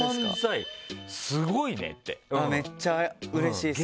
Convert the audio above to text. めっちゃうれしいですね。